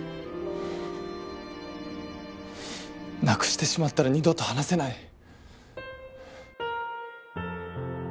亡くしてしまったら二度と話せない。